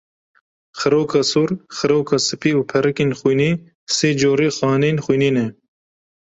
Xiroka sor, xiroka spî û perikên xwînê, sê corê xaneyên xwînê ne.